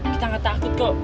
kita gak takut kok